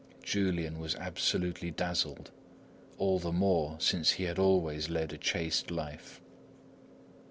Julian was absolutely dazzled, all the more since he had always led a chaste life.